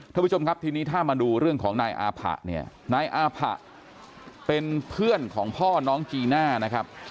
ท่านผู้ชมครับทีนี้ถ้ามาดูเรื่องของนายอาผะเนี่ยนายอาผะเป็นเพื่อนของพ่อน้องจีน่านะครับ